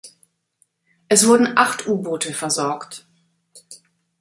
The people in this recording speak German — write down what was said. Es wurden acht U-Boote versorgt.